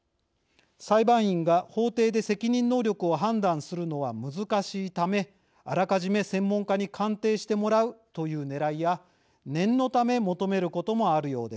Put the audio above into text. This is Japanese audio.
裁判員が法廷で責任能力を判断するのは難しいためあらかじめ専門家に鑑定してもらうというねらいや念のため求めることもあるようです。